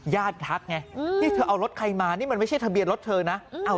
ญาติทรัพย์ไงเนี่ยที่เอารถไขมันนี่ไม่ใช่ทะเบียนรถเธอนะ